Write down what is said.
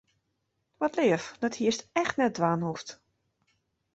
Wat leaf, dat hiest echt net dwaan hoegd.